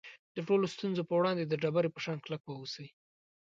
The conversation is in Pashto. د ټولو ستونزو په وړاندې د ډبرې په شان کلک واوسئ.